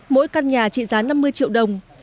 mỗi căn nhà trị giá năm mươi triệu đồng